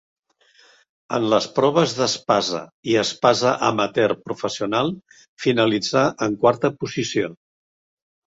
En les proves d'espasa i espasa amateur-professional finalitzà en quarta posició.